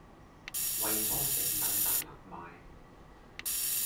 惠康聖誕大特賣